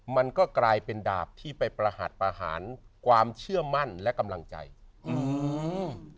มันก็กลายเป็นดาบที่ไปประหัสประหารความเชื่อมั่นและกำลังใจอืม